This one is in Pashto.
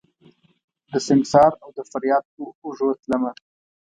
دسنګسار اودفریاد په اوږو تلمه